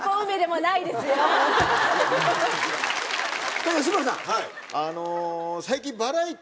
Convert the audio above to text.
さぁ吉村さん。